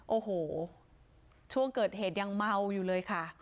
โอ้โหช่วงเกิดเหตุยังเมาอยู่เลยค่ะ